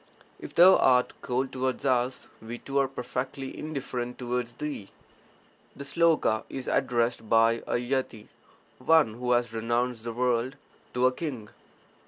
If thou art cold towards us, we too are perfectly indifferent towards thee. [The sloka is addressed by a yati (one who has renounced the world) to a king.